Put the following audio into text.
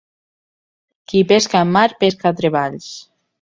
Qui pesca en mar pesca treballs.